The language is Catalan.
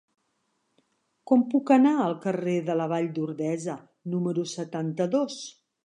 Com puc anar al carrer de la Vall d'Ordesa número setanta-dos?